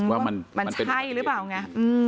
ว่ามันใช่หรือเปล่าไง